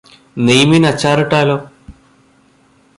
നെയ്മീൻ അച്ചാറിട്ടാലോ?